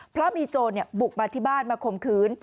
เพราะมีโจรบุกมาที่บ้านมาข่มขืน